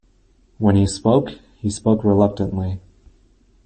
When he spoke, he spoke reluctantly.